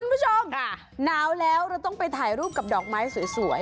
คุณผู้ชมหนาวแล้วเราต้องไปถ่ายรูปกับดอกไม้สวย